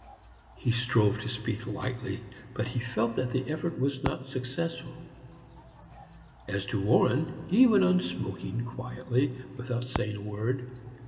He strove to speak lightly, but he felt that the effort was not successful. As to Warren, he went on smoking quietly, without saying a word.